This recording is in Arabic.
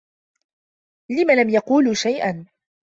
لِمَ لًم يقولوا شيئا؟